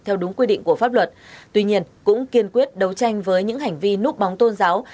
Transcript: tuy nhiên các đối tượng cũng kiên quyết đấu tranh với những hành vi núp bóng tôn giáo